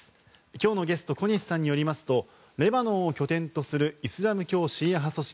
今日のゲスト小西さんによりますとレバノンを拠点とするイスラム教シーア派組織